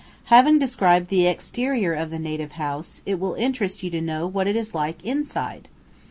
Having described the exterior of the native house, it will interest you to know what it is like inside.